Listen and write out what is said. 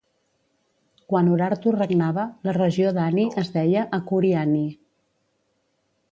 Quan Urartu regnava, la regió d'Ani es deia Akhuriani.